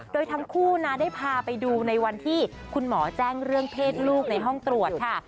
โดยทั้งคู่นะได้พาไปดูในวันที่คุณหมอแจ้งเรื่องเพศลูกในห้องตรวจค่ะ